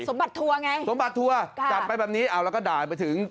สมบัติทั่วไงสมบัติทั่วจัดไปแบบนี้เอาแล้วก็ด่าไปถึง